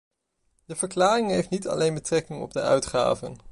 De verklaring heeft niet alleen betrekking op de uitgaven.